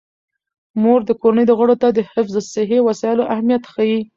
مور د کورنۍ غړو ته د حفظ الصحې وسایلو اهمیت ښيي.